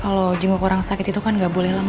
kalau jenguk orang sakit itu kan gak boleh lama lama